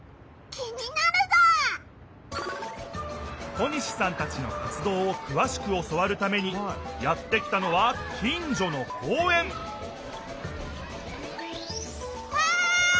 小西さんたちの活どうをくわしく教わるためにやって来たのは近所の公園！わい！